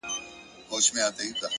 هره هڅه د راتلونکي یوه خښته ده,